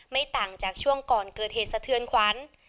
ไม่ต่างจากช่วงก่อนเกิดเหตุสะเทือนขวัญ